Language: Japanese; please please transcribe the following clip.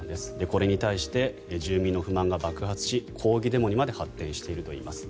これに対して住民の不満が爆発し抗議デモにまで発展しているといいます。